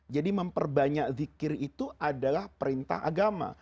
jadi memperbanyak zikir itu adalah perintah agama